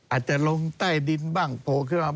อาจจะลงใต้ดินบ้างโผล่ขึ้นมา